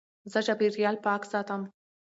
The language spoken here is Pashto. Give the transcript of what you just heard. زه چاپېریال پاک ساتم.